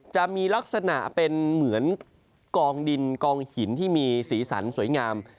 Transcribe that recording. จะมีลักษณะเป็นเหมือนกองดินกองหินที่มีสีสันสวยงาม